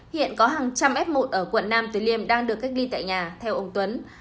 hiện có hàng trăm f một ở quận nam từ liêm đang được cách ly tại nhà theo ông tuấn